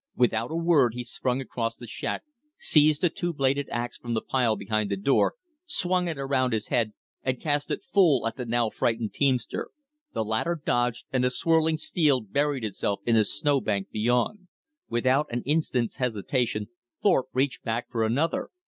Without a word he sprang across the shack, seized a two bladed ax from the pile behind the door, swung it around his head and cast it full at the now frightened teamster. The latter dodged, and the swirling steel buried itself in the snowbank beyond. Without an instant's hesitation Thorpe reached back for another.